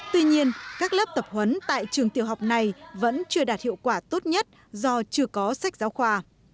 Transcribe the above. tuy nhiên các lớp tập huấn tại trường tiểu học này vẫn chưa đạt hiệu quả tốt nhất do chưa có sách giáo khoa